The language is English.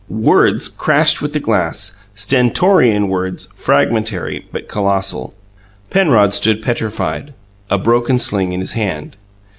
Words crashed with the glass, stentorian words, fragmentary but collossal. Penrod stood petrified, a broken sling in his hand.